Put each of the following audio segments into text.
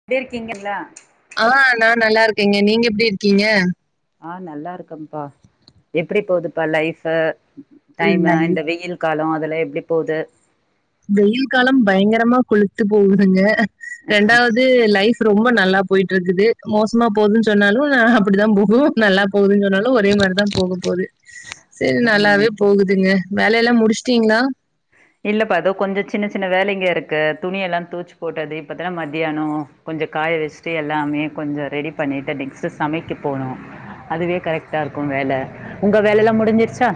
[unintelligible] இங்க இருக்கீங்களா அ நா நல்லா இருக்கேங்க நீங்க எப்டி இருக்கீங்க ஆ நல்லா இருக்கம்ப்பா எப்படி போதுப்பா லைஃப்ஹூ டைம்ஹூ லைஃப் இந்த வெயில் காலொ அதெல்லா எப்டி போது வெயில் காலம் பயங்கரமா கொளுத்து போகுதுங்க ரெண்டாவத் வந்து லைஃப் ரொம்ப நல்லா போயிட்டு இருக்குது மோசமா போகுதுன்னு சொன்னாலூ ம் ஆ அப்படித்தா போகூ நல்லா போகுதுன்னு சொன்னாலூ ஒரே மாரித் தா போகப் போதூ சரி ம் நல்லாவே போகுதுங்க வேலல்லா முடிச்சுட்டீங்ளா இல்லப்பா அதோ கொஞ்சொ சின்ன சின்ன வேலைங்க இருக்கு துணி எல்லா துவச்சு போட்டது இப்பத்தா மதியானோ கொஞ்சோ காய வச்சுட்டு எல்லாமே கொஞ்ச ரெடி பண்ணிட்டு நெக்ஸ்ட்டு சமைக்கப் போகனோ அதுவே கரெக்ட்டா இருக்கும் வேல உங்க வேல எல்லா முடிஞ்சிருச்சா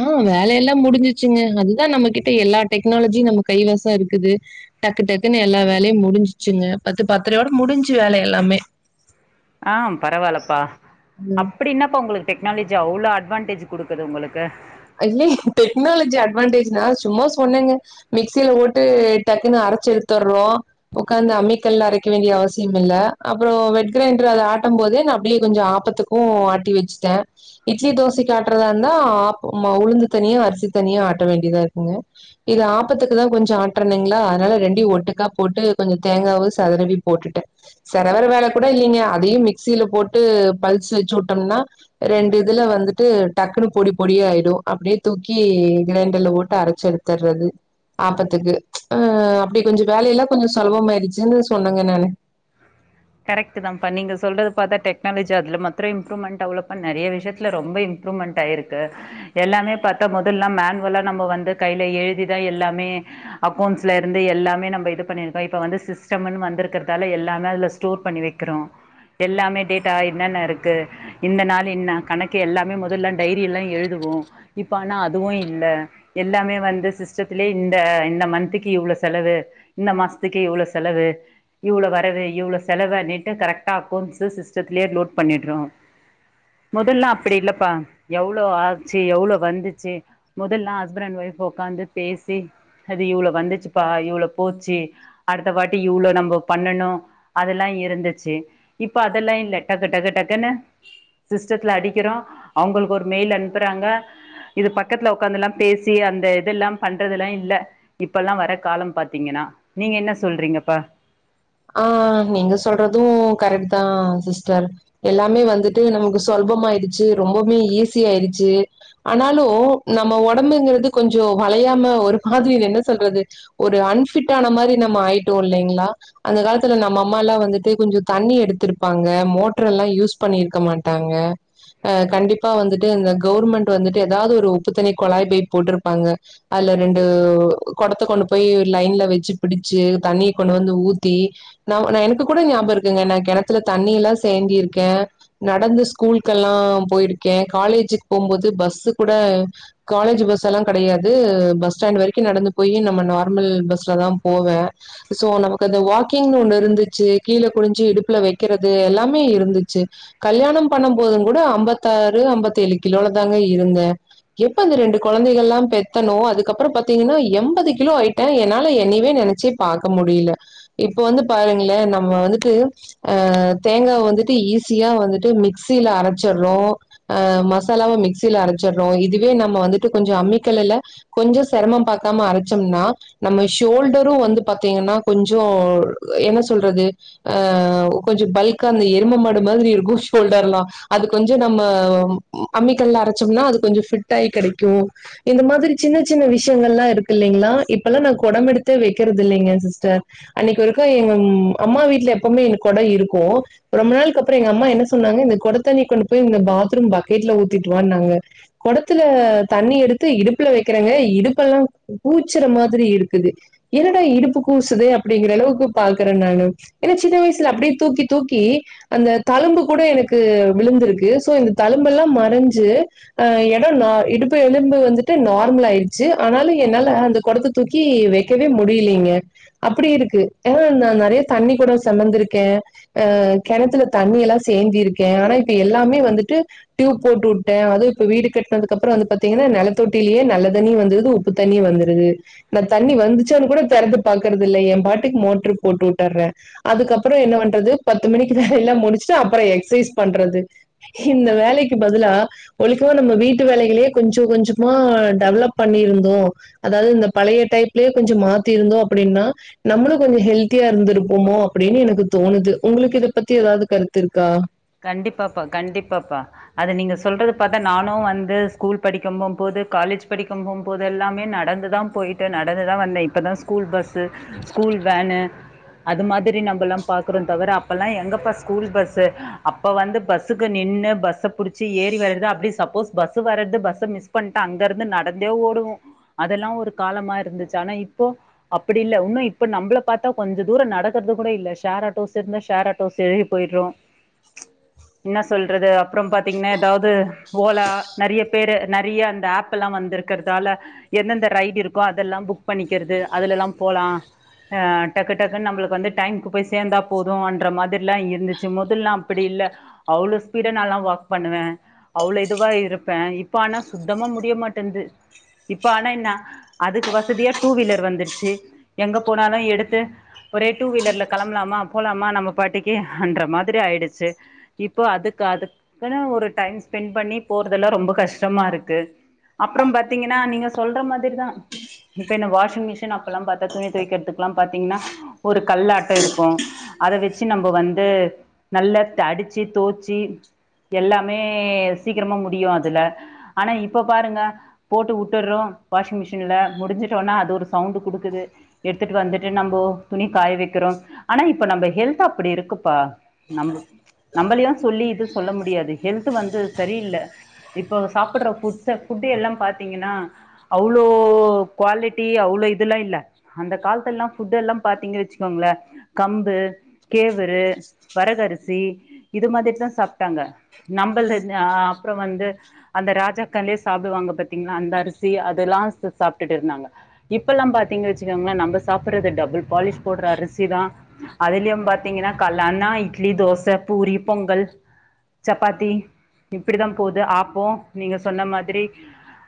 ஆ வேலையெல்லா முடிச்சிடுச்சுங்க அதுதா நம்ம கிட்ட எல்லா டெக்னாலஜியூ நம்ம கைவசம் இருக்குது டக்கு டக்குன்னு எல்லா வேலையூ முடிஞ்சிச்சுங்க பத்து பத்திரையோட முடிஞ்சு வேலை எல்லாமே ஆ பரவால்லப்பா ம். அப்டி என்னாப்ப உங்களுக் டெக்னாலஜி அவ்ளோ அட்வான்டேஜ் குடுக்குது உங்களுக்கு அ இல்லே டெக்னாலஜி அட்வான்டேஜ்னா சும்மா சொன்னேங்க மிக்சியில போட்டு டக்குன்னு அரைச்சு எடுத்துர்றோ உக்காந்து அம்மி கல்லு அரைக்க வேண்டிய அவசியே இல்ல அப்புறம் வெட்கிரைண்டர் அத ஆட்டு போதே நா அப்படியே கொஞ்சொ ஆபத்துக்கூ ஓ ஆட்டி வச்சுட்டே இட்லி தோசைக்கி ஆட்டுறதா இருந்தா ஆப் உம்மா உளுந்து தனியா அரிசி தனியா ஆட்ட வேண்டியதா இருக்குங்க இது ஆப்பத்துக்கு தா கொஞ்சொ ஆட்றோனுங்களா அதனால ரெண்டயூ ஒட்டுக்கா போட்டு கொஞ்சொ தேங்காவூ சதுரடி போட்டுட்டே சிரவர வேல கூட இல்லிங்க அதையூ மிக்சியில போட்டு பல்ஸ் வச்சு விட்டோம்னா ரெண்டு இதுல வந்துட்டு டக்குனு பொடிப் பொடியாயிடூ அப்படியே தூக்கி கிரைண்டர்ல போட்டு அரைச்சு எடுத்துடறது ஆப்பத்துக்கு ஆ அப்பிடி கொஞ்சொ வேலையெல்லா கொஞ்சொ சொலபமாயிடுச்சுன்னு சொன்னேங்க நானு கரெக்ட்டு தாம்ப்பா நீங்க சொல்றது பார்த்தா டெக்னாலஜி அதுல மாத்துரொ இம்ப்ரூவ்மெண்ட் ஆவலப்பா நெறய விஷயத்துல ரொம்ப இம்ப்ரூவ்மெண்ட் ஆயிருக்கு எல்லாமே பாத்தா மொதல்லாம் மேன்வலா நம்ம வந்து கையில எழுதி தா எல்லாமே அக்கவுண்ட்லருந்து எல்லாமே நம்ப இது பண்ணிருக்கோம் இப்ப வந்து சிஸ்டம்னு வந்திருக்கறதால எல்லாமே அதுல ஸ்டோர் பண்ணி வக்கிறோ எல்லாமே டேட்டா என்னன்ன இருக்கு இந்த நாள் என்ன கணக்கு எல்லாமே மொதல்லா டைரி எல்லா எழுதுவோ இப்ப ஆனா அதுவு இல்ல எல்லாமே வந்து சிஸ்டத்துலேயே இந்த இந்த மந்த்துக்கு இவ்ளோ செலவு இந்த மாசத்துக்கு இவ்ளோ செலவு இவ்ளோ வரவு இவ்ளோஸ் செவவுன்னிட்டு கரெக்டா அக்கௌண்ட்ஸு சிஸ்டத்துலேயே லோட் பண்ணிடுறோம் மொதல்லல்லாம் அப்பிடி இல்லப்பா எவ்ளோ ஆச்சு எவ்ளோ வந்துச்சு மொதல்லாம் ஹஸ்பண்ட் அண்ட் வைஃப் உக்காந்து பேசி அது இவ்ளொ வந்துச்சுப்பா இவ்ளொ போச்சி அடுத்த வாட்டி இவ்ளொ நம்ப பண்ணணு அதெல்லா இருந்துச்சு இப்ப அதெல்லா இல்ல டக்கு டக்கு டக்குன்னு சிஸ்டத்துல அடிக்கிறோ அவங்களுக்கு ஒரு மெயில் அனுப்புறாங்க இது பக்கத்துல உக்காந்துல்லா பேசி அந்த இதெல்லாம் பண்றதெல்லாம் இல்ல இப்பல்லாம் வர்ற காலம் பாத்தீங்கன்னா நீங்க என்ன சொல்றீங்கப்பா ஆ நீங்க சொல்றதும் கரெக்ட் தா சிஸ்டர் எல்லாமே வந்துட்டு நமக்கு சொல்பமாயிடுச்சு ரொம்பவுமே ஈஸி ஆயிடுச்சு ஆனாலு நம்ம ஒடம்புங்கிறது கொஞ்சொ வளையாம ஒரு மாதிரி என்ன சொல்றது ஒரு அன்ஃபிட்டான மாதிரி நம்ம ஆயிட்டோம் இல்லேங்களா அந்த காலத்துல நம்ம அம்மாலாம் வந்துட்டு கொஞ்சொ தண்ணி எடுத்திருப்பாங்க மோட்டார் லாம் யூஸ் பண்ணிருக்க மாட்டாங்க அஹ் கண்டிப்பா வந்துட்டு இந்த கவுர்மெண்ட் வந்துட்டு ஏதாவது ஒரு உப்புத்தண்ணி கொழாய் பைப் போட்டிருப்பாங்க அதுல ரெண்டு கொடத்த கொண்டு போய் லைன்ல வச்சு பிடிச்சு தண்ணிய கொண்டு வந்து ஊத் த்தி நா நா எனக்குக் கூட ஞாபகம் இருக்குங்க நான் கெணத்துல தண்ணி எல்லாம் சேந்தியிருக்கே நடந்து ஸ்கூலுக்கெல்லாம் போயிருக்கே காலேஜுக்கு போம்போது பஸ்ஸு கூட காலேஜ் பஸ் எல்லாம் கெடையாது பஸ் ஸ்டாண்ட் வரைக்கும் நடந்து போய் நம்ம நார்மல் பஸ்ல தான் போவே சோ நமக் அந்த வாக்கிங்னு ஒண்ணு இருந்துச்சு கீழே குனிஞ்சு இடுப்புல வக்கிறது எல்லாமே இருந்துச்சு கல்யாணம் பண்ணும் போதும் கூட அம்பத்தாறு அம்பத்தேழு கிலோல தாங்க இருந்தே எப்ப இந்த ரெண்டு கொழந்தைகல்லாம் பெத்தனோ அதுக்கப்புறம் பாத்தீங்கன்னா எண்பது கிலோ ஆய்ட்டேன் என்னால என்னையவே நெனைச்சே பாக்க முடியல இப்போ வந்து பாருங்களே நம்ம வந்துட்டு அ தேங்கா வந்துட்டு ஈஸியா வந்துட்டு மிக்சில அரச்சிட்றோ ஆ மசாலாவும் மிக்சியில அரச்சிட்றோ இதுவே நம்ம வந்துட்டு கொஞ்ச அம்மிக்கல்லுல கொஞ்சொ செரமம் பாக்காம அரச்சோம்னா நம்ம ஷோல்டரு வந்து பாத்தீங்கன்னா கொஞ்சொ என்ன சொல்றது ஆஹ் கொஞ்சொ பல்க்கா அந்த எரும மாடு மாதிரி இருக்கும் ஷோல்டர்ல்லாம் அது கொஞ்சொ நம்ம அம்மிக்கல்லுல அரச்சோம்னா அது கொஞ்சம் ஃபிட் ஆயி கெடைக்கும் இந்த மாதிரி சின்னச் சின்ன விஷயங்கள்லா இருக்கு இல்லைங்களா இப்பெல்லாம் நான் கொடம் எடுத்து வைக்கிறதே இல்லைங்க சிஸ்டர் அன்னைக்கு ஒருக்கா எங்க அம்மா வீட்ல எப்பவுமே எங்க கொடொ இருக்கும் ரொம்ப நாளுக்கப்புறம் எங்க அம்மா என்ன சொன்னாங்க இந்த கொடத்த நீ கொண்டு போய் இந்த பாத்ரூம் பக்கெட்ல ஊத்திட்டு வான்னாங்க கொடத்துல தண்ணி எடுத்து இடுப்புல வக்கிறேங்க இடுப்பு எல்லாம் கூச்சுற மாதிரி இருக்குது என்னடா இடுப்பு கூசுதே அப் அப்பிடிங்கிற அளவுக்கு பாக்குற நானு ஏன்னா சின்ன வயசுல அப்பிடியே தூக்கி தூக்கி அந்த தழும்பு கூட எனக்கு விழுந்திருக்கு சோ இந்த தழும்புல்லாம் மறைஞ்சு அஹ் எடம் நா இடுப்பு எலும்பு வந்துட்டு நார்மல் ஆயிடுச்சு ஆனாலும் என்னால அந்த கொடத்துக் தூக்கி வக்கவே முடியலிங்க அப்படி இருக்கு ஏ நா நறைய தண்ணி கொட செமந்திருக்கே அ கெணத்துல தண்ணி எல்லா சேந்திருக்கே ஆனா இப்ப எல்லாமே வந்துட்டு டியூப் போட்டுவுட்டே அது இப்ப வீடு கட்னதுக்கப்புறோ வந்து பாத்தீங்கன்னா நெலத்தொட்டிலேயே நல்ல தண்ணி வந்தது உப் பு தண்ணியு வந்துருது நா தண்ணி வந்துச்சான்னு கூட தெறந்து பாக் றது இல்ல எ பாட்டுக்கு மோட்ரு போட்டுவுட்டற்றே அதுக்கப்புறோ என்ன பண்றது பத்து மணிக்குதா எல்லா முடிச்சுட்டு அப்புறோ எக்சைஸ் பண்றது இந்த வேலைக்கு பதிலா ஒலுக்கா நம்ம வீட்டு வேலைகளையே கொஞ்சொ கொஞ்சொமா டெவலப் பண்ணியிருந்தோ அதாவது இந்த பழைய டைப்லே கொஞ்சோ மாத்திருந்தோ அப்டின்னா நம்மளு கொஞ்ச ஹெல்தியா இருந்திருப்போமோ அப்டின்னு எனக்கு தோணுது உங்களுக்கு இத பத்தி ஏதாது கருத்து இருக்கா கண்டிப்பாப்பா கண்டிப்பாப்பா அது நீங்க சொல்றது பார்த்தா நானு வந்து ஸ்கூல் படிக்கும் போம்போது காலேஜ் படிக்கும் போம் போது எல்லாமே நடந்துதா போயிட்டு நடந்துதா வந்தே இப்பதா ஸ்கூல் பஸ்சு ஸ்கூல் வேனு அது மாதிரி நம்பல்லா பாக்குறோ தவிர அப்பெல்லா எங்கப்பா ஸ்கூல் பஸ்சு அப்போ வந்து பஸ்சுக்கு நின்னு பஸ்ஸ புடிச்சி ஏறி வரது அப்டி சப்போஸ் பஸ்சு வரது பஸ்ஸ மிஸ் பண்ட்டா அங்க இருந்து நடந்தே ஓடுவோ அதெல்லா ஒரு காலமா இருந்துச்சு ஆனா இப்போ அப்பிடி இல்ல இன்னு இப்ப நம்பள பாத்தா கொஞ்ச தூரோ நடக்குறது கூட இல்ல ஷேர் ஆட்டோஸ் இருந்தா ஷேர் ஆட்டோஸே போயிட்றோ என்னா சொல்றது அப்புறம் பாத்தீங்ன்னா ஏதாவ்து ஓலா நெறைய பேரு நெறைய அந்த ஆஃப்பெல்லா வந்துர்க் றதால எந்தெந்த ரைடு இருக்கோ அதெல்லா புக் பண்ணிக்றது அதுலல்லா போலா ஆ டக்கு டக்குன் நம்பளுக்கு வந்து டைம்கு போய் சேந்தா போது அன்ற மாதிரிலா இருந்துச்சு மொதல்லா அப்புடி இல்ல அவ்ளோ ஸ்பீடா நாலா வாக் பண்ணுவே அவ்ளோ இதுவா இருப்பே இப்ப ஆனா சுத்தமா முடியமாட்டன்ந்து இப்ப ஆனா என்ன அதுக்கு வசதியா டூ வீலர் வந்துருச்சு எங்க போனாலு எடுத்து ஒரே டூ வீலர்ல களம்பலாமா போலாமா நம்ம பாட்டிக்கு அன்ற மாதிரி ஆயிடிச் சி இப்போ அதுக்கு அடுத் ஏன்னா ஒரு டைம் ஸ்பெண்ட் பண்ணி போறதெல்லா ரொம்ப கஷ்டமா இருக்கு அப்புறம் பாத்தீங்கன்னா நீங்க சொல்ற மாதிரிதா இப்ப என்ன வாஷிங் மிஷின் அப்பெல்ல பத்தா துணி தொவக்கிறதுக்கல்லா பாத்தீங்கன்னா ஒரு கல்லாட்ட இருக்கு அத வச்சி நம்ப வந்து நல்லா தடிச்சி தோச்சி எல்லாமே சீக்கிரமா முடியு அதுல ஆனா இப்ப பாருங்க போட்டுவுட்டுறோ வாஷிங் மிஷின்ல முடிஞ்சுட்டோனா அது ஒரு சவுண்ட்டு குடுக்குது எடுத்துட்டு வந்துட்டு நம்போ துணி காய வெக்கிறோ ஆனா இப்ப நம்ப ஹெல்த் அப்டி இருக்குப்பா நம்பு நம்பளையு சொல்லி இது சொல்ல முடியாது ஹெல்து வந்து சரியில்ல இப்ப சாப்புட்ற ஃபுட்ஸ் ஃபுட்டு எல்லா பாத்திங்கன்னா அவ்ளோ குவாலிட்டி அவ்ளோ இதுல்லா இல்ல அந்த காலத்துலல்லா ஃபுட்டு எல்லா பாத்தீங்க வச்சுக்கோங்ளே கம்பு கேவுரு வரகரிசி இது மாதிரிதா சாப்ட்டாங்க நம்பள் இந்த அப்றோ வந்து அந்த ராஜாக்கள்ளே சாப்டுவாங்க பாத்தீங்ளா அந்த அரிசி அதெல்லா சா சாப்ட்டுட்ருந்தாங்க இப்பெல்லா பாத்தீங்க வச்சுக்கோங்களா நம்ப சாப்புறது டபுள் பாலிஷ் போட்ற அரிசிதா அதுலயு பாத்தீங்கன்னா கால்லானா இட்லி தோச பூரி பொங்கல் சப்பாத்தி இப்பிடிதா போது ஆப்போ நீங்க சொன்ன மாத்ரி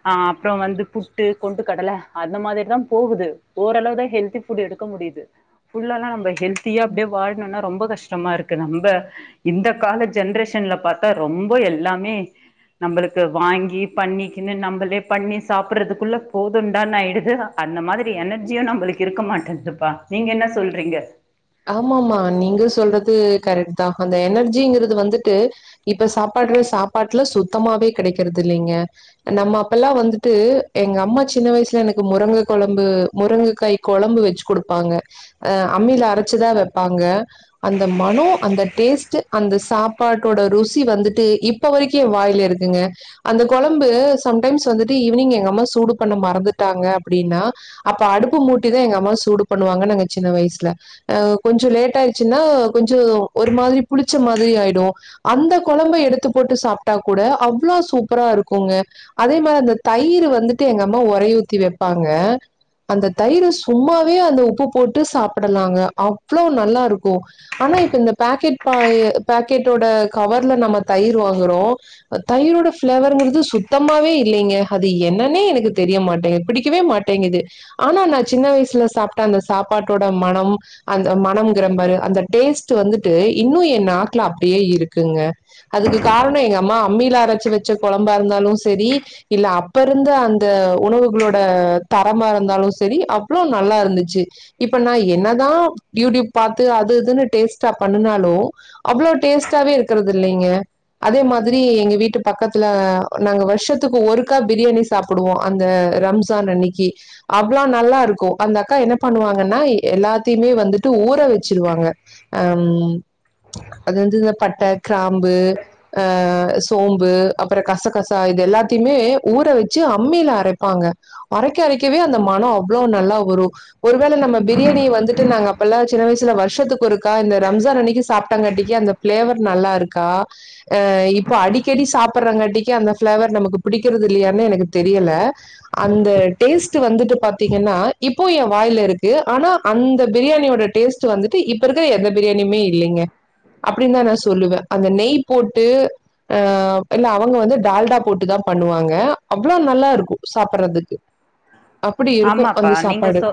அ அப்புற வந்து புட்டு கொண்டு கடல அந்த மாதிரிதா போகுது ஓரளவுதா ஹெல்தி ஃபுட்டு எடுக்க முடியுது ஃபுல்லாலா நம்ப ஹெல்தியா அப்டியே வாழனுனா ரொம்ப கஷ்டமா இருக் க்கு நம்ப இந்த கால ஜென்ரேஷன்ல பாத்தா ரொம்ப எல்லாமே நம்பளுக்கு வாங்கி பண்ணிக்கினு நம்பளே பண்ணி சாப்புறதுக்குள்ள போதுன்டான்னு ஆயிருது அந்த மாதிரி எனர்ஜியு நம்பளுக்கு இருக்க மாட்டேன்துப்பா நீங்க என்ன சொல்றீங்க ஆமாம்மா நீங்க சொல்றது கரெக்ட்தா அந்த எனர்ஜிங்றது வந்துட்டு இப்ப சாப்பாட்ற சாப்பாட்ல சுத்தமாவே கெடைக்றது இல்லங்க நம்ம அப்பல்லா வந்துட்டு எங்க அம்மா சின்ன வயசுல எனக்கு முரங்க கொழம்பு முரங்கக்காய் கொழம்பு வச்சு குடுப்பாங்க அம்மீல அரச்சுதா வைப்பாங்க அந்த மனோ அந்த டேஸ்ட்டு அந்த சாப்பாட்டோட ருசி வந்துட்டு இப் இப்ப வரைக்கு ஏ வாய்ல்ல இருக்குங்க அந்த கொழம்பு சம்டைம்ஸ் வந்துட்டு ஈவ்னிங் எங்க அம்மா சூடு பண்ண மறந்துட்டாங்க அப்டின்னா அப்ப அடுப்பு மூட்டிதா எங்க அம்மாவ சூடு பண்ணுவாங்க நாங்க சின்ன வயசுல அ கொஞ்சோ லேட் ஆய்ட்ச்சுன்னா கொஞ்சோ ஒரு மாதிரி புளிச்ச மாதிரி ஆயிடு அந்த கொழம்ப எடுத்து போட்டு சாப்ட்டா கூட அவ்ளோ சூப்பரா இருக்குங்க அதே மாதிரி அந்த தயிர் வந்துட்டு எங்க அம்மா உரைய ஊத்தி வைப்பாங்க அந்த தயிர சும்மாவே அந்த உப்பு போட்டு சாப்படலாங்க அவ்ளோ நல்லா இருக்கு ஆனா இப்ப இந்த பாக்கெட் பா பாக்கெட்டோட கவர்ல நம்ம தயிர் வாங்றோ தயிரோட ஃபிளேவருங்றது சுத்தமாவே இல்லிங்க அது என்னன்னே எனக்கு தெரிய மாட்டேங்குது பிடிக்கவே மாட் டேங்குது ஆனா நா சின்ன வயசுல சாப்ட்ட அந்த சாப்பாட்டோட மனம் அந்த மனம்ங்றபாரு அந்த டேஸ்ட்டு வந்துட்டு இன்னு எ நாக்ல அப்டியே இருக்குங்க அதுக்கு காரணோ எங்க அம்மா அம்மில அரச்சு வச்ச கொழம்பா இருந்தாலு சரி இல்ல அப்ப இருந்த அந்த உணவுகளோட தரமா இருந்தாலு சரி அவ்ளோ நல்லா இருந்துச்சு இப்ப நா என்னதா யூடியூப் பாத்து அது இதுன்னு டேஸ்ட் பண்ணனாலும் அவ்வளவு டேஸ்டாவே இருக்கிறது இல்லைங்க அதே மாதிரி மாதிரி எங்க வீட்டு பக்கத்துல நாங்க வர்ஷத்துக்கு ஒருக்கா பிரியாணி சாப்டுவோ அந்த ரம் புத்தாண்டு அன்னைக்கு அவ்ளா நல்லா இருக்கு அந்த அக்கா என்ன பண்ணுவாங்கன்னா எல்லாத்தையுமே வந்து விட்டு ஊற வச்சிருவாங்க அம் அது வந்து இந்த பட்ட கிராம்பு அ சோம்பு அப்றோ கசகசா இது எல்லாத்தியுமே ஊற வச்சு அம்மில அரைப்பாங்க அரைக்க அரைக்கவே அந்த மனம் அவ்ளோ நல்லா வரு ஒரு வேள நம்ம பிரியாணிய வந்துட்டு நாங்க இப்பல்லா சின்ன வயசுல வர்ஷத்துக்கு ஒருக்கா இந்த ரம்ஜான் அன்னைக்கு சாப்ட்டாகட்டிக்கு அந்த ஃபிளேவர் நல்லா இருக்கா அ இப்போ அடிக்கடி சாப்புட்றங்காட்டிக்கு அந்த ஃபிளேவர் நமக்கு பிடிக்கிறது இல்லையான்னு எனக்கு தெரில அந்த டேஸ்ட்டு வந்துட்டு பாத்திங்கன்னா இப்போ என வாயில்ல இருக்கு ஆனா அந்த பிரியாணியோட டேஸ்ட்டு வந்துட்டு இப்ப இருக்க எந்த பிரியாணியுமே இல்லைங்க அப்டின்தா நா சொல் சொல்லுவே அந்த நெய் போட்டு ஆ இல்ல அவுங்க வந்து டால்டா போட்டுதா பண்ணுவாங்க அவ்வளவு நல்லாருக்கு சாப்பிட்றதுக்கு அப்டி இருக்கு ஆமாப்பா அந்த நீங்க சாப்பாடு சொ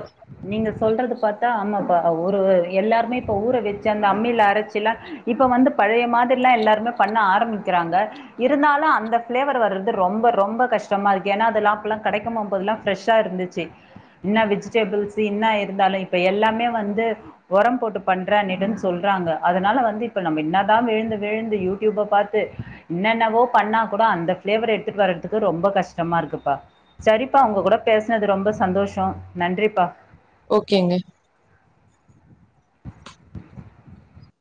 நீங்க சொல்றது பாத்தா ஆமாப்பா ஒரு எல்லாருமே இப்ப ஊர வச்சு அந்த அம்மில அரைச்சுல்லா இப்போ வந்து பழைய மாதிரிலா எல்லோருமே பண்ண ஆரம்பிக்கிறாங்க இருந்தாலு அந்த பிளேவர் வரது ரொம்ப ரொம்ப கஷ்டமாருக்கு ஏன்னா அதுலா கெடைக்கு போதுல்லா ஃப்ரெஷ் ஆ இருந்துச்சு சி என்ன வெஜிடபிள்ஸ் என்ன இருந்தாலு இப்ப எல்லாமே வந்து உரம் போட்டு பண்றேன்னட்டுன்னு சொல்றாங்க அதனால வந்து இப்ப நம்ம என்னதா விழுந்து விழுந்து யூ டியூப்ப பாத்து என்னென்னவோ பண்ணா கூட அந்த பிளேவர் எடுத்துட்டு வர்றதுக்கு ரொம்ப கஷ்டமாருக்குப்பா செரிப்பா உங்க கூட பேசுனது ரொம்ப சந்தோஷோ நன்றிப்பா ஓகேங்க